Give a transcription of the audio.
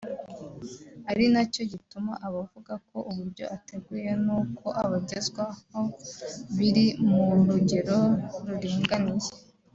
ari na cyo gituma abavuga ko uburyo ateguye n’uko abagezwaho biri mu rugero ruringaniye